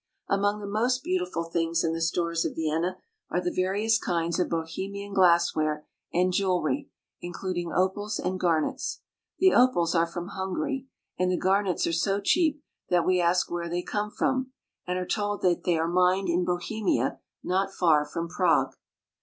Among the most beautiful things in the stores of Vienna are the various kinds of Bohemian glassware and jewelry, including opals and garnets. The opals are from Hungary ; and the garnets are so cheap that we ask where they come from, and are told that they are mined in Bohe mia, not far from Prague.